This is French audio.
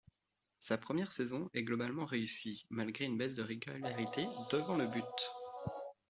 Sa première saison est globalement réussie malgré une baisse de régularité devant le but.